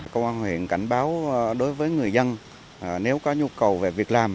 công an huyện cảnh báo đối với người dân nếu có nhu cầu về việc làm